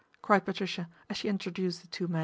" cried Patricia as she introduced the two men.